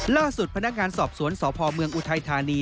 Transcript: ล่าสุดพนักงานสอบสวนสพเมืองอุทัยธานี